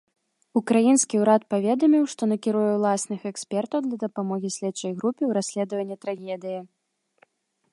Украінскі ўрад паведаміў, што накіруе ўласных экспертаў для дапамогі следчай групе ў расследаванні трагедыі.